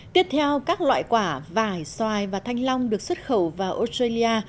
tiếp theo các loại quả vải xoài và thanh long được xuất khẩu vào australia